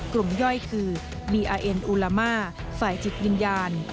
ย่อยคือบีอาเอ็นอูลามาฝ่ายจิตวิญญาณ